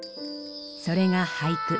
それが俳句。